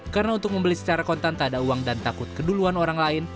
karena untuk membeli secara kontan tak ada uang dan takut keduluan orang lain